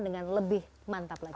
dengan lebih mantap lagi